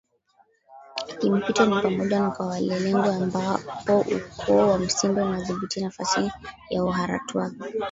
kimpito ni pamoja na kwa Walelengwe ambapo Ukoo wa Msimbe unadhibiti nafasi ya Uharatwaga